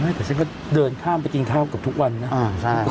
ไม่แต่ฉันก็เดินข้ามไปกินข้าวกับทุกวันนะอือใช่